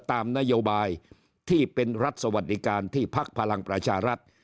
ตามนโยบายที่เป็นรัฐสวัสดิการที่พักพลังประชารัฐ